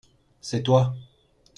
C’est toi.